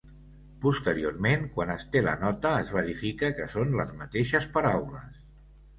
Posteriorment, quan es té la nota, es verifica que són les mateixes paraules.